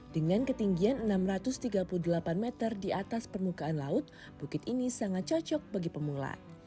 dengan ketinggian enam ratus tiga puluh delapan meter di atas permukaan laut bukit ini sangat cocok bagi pemula